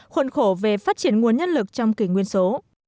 khuôn khổ về phát triển nguồn nhân lực trong kỷ nguyên số